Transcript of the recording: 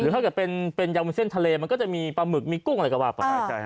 หรือถ้าเป็นยามวุ้นเส้นทะเลมันก็จะมีปลาหมึกมีกุ้งอะไรก็บ้าง